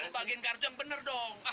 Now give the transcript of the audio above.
bagian kartu yang benar dong